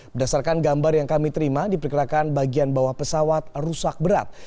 berdasarkan gambar yang kami terima diperkirakan bagian bawah pesawat rusak berat